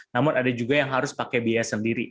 namun ada juga yang harus pakai biaya sendiri